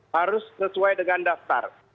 harus sesuai dengan daftar